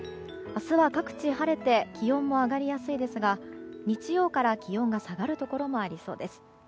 明日は各地晴れて気温も上がりやすいですが日曜から気温が下がるところもありそうです。